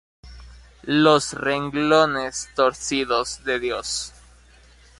Los renglones torcidos de Dios